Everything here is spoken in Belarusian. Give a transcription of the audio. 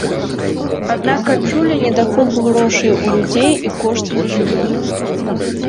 Аднак адчулі недахоп грошай у людзей і кошты на жыллё.